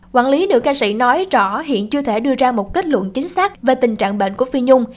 quản lý được ca sĩ nói rõ hiện chưa thể đưa ra một kết luận chính xác về tình trạng bệnh của phi nhung